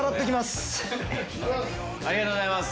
ありがとうございます。